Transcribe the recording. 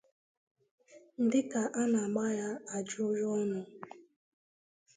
dịka a na-agba ya ajụjụọnụ